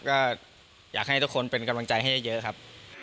ก็อยากให้ทุกคนเป็นกำลังใจให้เยอะครับ